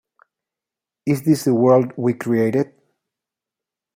Is This the World We Created...?